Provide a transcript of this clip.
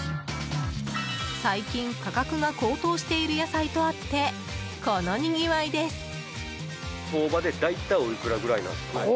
最近、価格が高騰している野菜とあって、このにぎわいです。